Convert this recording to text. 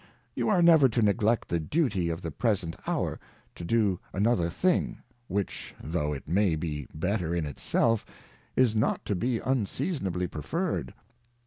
You are never to neglect the Duty of the present Hour, to do another thing, which though it may be better in it self, is not to be unseasonably preferred.